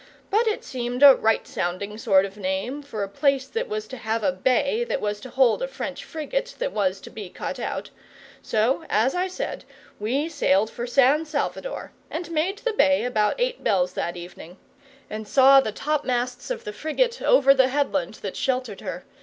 But it seemed a right sounding sort of name for a place that was to have a bay that was to hold a French frigate that was to be cut out; so, as I said, we sailed for San Salvador, and made the bay about eight bells that evening, and saw the topmasts of the frigate over the headland that sheltered her.